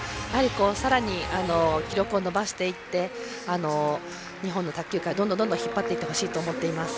さらに記録を伸ばしていって日本の卓球界引っ張っていってほしいと思います。